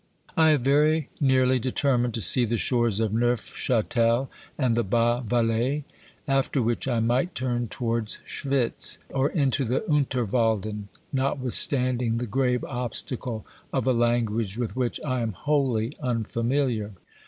I have very nearly determined to see the shores of Neufchatel and the bas Valais, after which I might turn towards Schwitz, or into the Unterwalden, notwithstanding the grave obstacle of a language with which I am wholly unfamiliar.